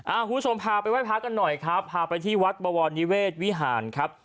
คุณผู้ชมพาไปไหว้พระกันหน่อยครับพาไปที่วัดบวรนิเวศวิหารครับ